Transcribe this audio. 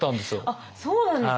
あっそうなんですね。